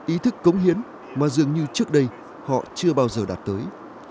ý thức cống hiến mà dường như trước đây họ chưa bao giờ đạt tới